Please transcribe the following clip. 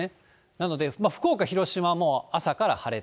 なので、福岡、広島はもう朝から晴れ。